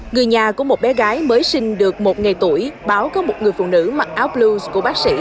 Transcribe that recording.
người nhà của một bé gái mới sinh được một ngày tuổi báo có một người phụ nữ mặc áo blues của bác sĩ